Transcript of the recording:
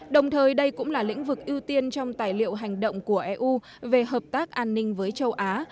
đồng thời đây cũng là lĩnh vực ưu tiên trong tài liệu hành động của eu về hợp tác an ninh với châu á